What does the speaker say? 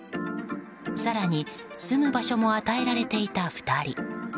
更に住む場所も与えられていた２人。